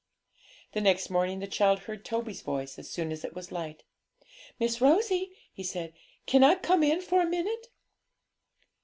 The next morning the child heard Toby's voice as soon as it was light. 'Miss Rosie,' he said, 'can I come in for a minute?'